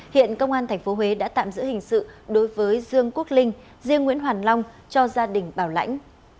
hiện công an tp huế đã tạm giữ hình sự đối với dương quốc linh riêng nguyễn hoàn long cho gia đình bảo lãnh